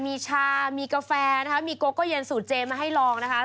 มีชามีกาแฟนะคะมีโกโก้เย็นสูตรเจมาให้ลองนะคะ